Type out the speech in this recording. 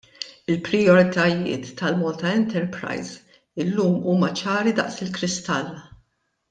Il-prijoritajiet tal-Malta Enterprise llum huma ċari daqs il-kristall.